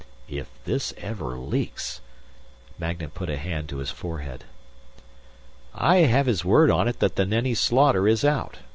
"If this ever leaks...." Magnan put a hand to his forehead. "I have his word on it that the Nenni slaughter is out.